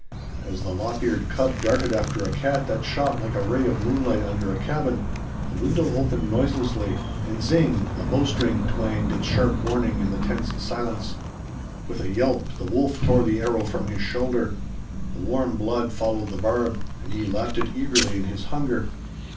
As the lop eared cub darted after a cat that shot like a ray of moonlight under a cabin, a window opened noiselessly, and zing! a bowstring twanged its sharp warning in the tense silence. With a yelp the wolf tore the arrow from his shoulder. The warm blood followed the barb, and he lapped it eagerly in his hunger.